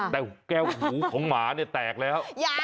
แต่แก้วหูของหมาเนี่ยแตกแล้ว